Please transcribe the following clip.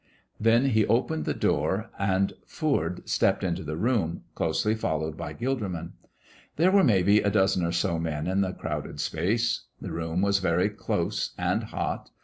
Then he opened the door and Foord stepped into the room, closely followed by Gilderman. There were maybe a dozen or so men in the crowded space. The room was very close and hot.